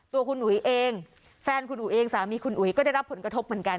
ตัวคุณอุ๋ยเองแฟนคุณอุ๋ยเองสามีคุณอุ๋ยก็ได้รับผลกระทบเหมือนกัน